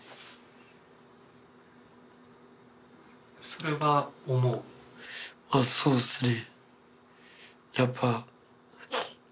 それは思うまあそうっすね